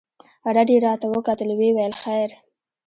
رډ يې راته وکتل ويې ويل خير.